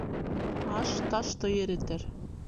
Аш ташты иретер.